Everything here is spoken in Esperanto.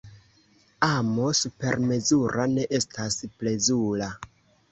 Amo supermezura ne estas plezura.